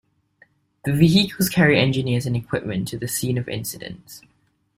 The vehicles carry engineers and equipment to the scene of incidents.